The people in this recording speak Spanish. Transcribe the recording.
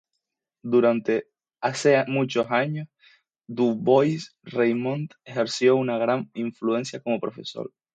Durante hace muchos años, du Bois-Reymond ejerció una gran influencia como profesor.